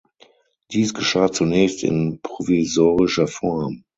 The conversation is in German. Dies geschah zunächst in provisorischer Form.